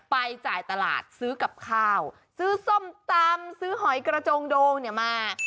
ไปจ่ายตลาดซื้อกับข้าวซื้อส้มตำซื้อหอยกระจงโดงเนี่ยมา